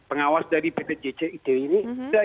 pengawas dari ptgcit ini